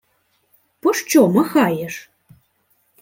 — Пощо махаєш?